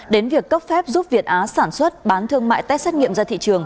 đến việc cấp phép giúp việt á sản xuất bán thương mại test xét nghiệm ra thị trường